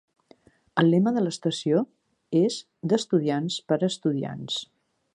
El lema de l'estació és "d'estudiants per a estudiants".